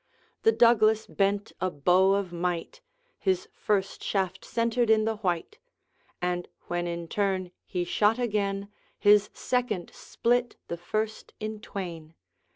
The Douglas bent a bow of might, His first shaft centred in the white, And when in turn he shot again, His second split the first in twain.